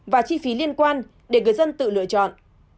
và chi phí liên quan để người dân tự lựa chọn